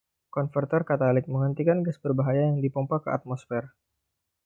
Konverter katalitik menghentikan gas berbahaya yang dipompa ke atmosfer.